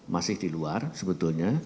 masih di luar sebetulnya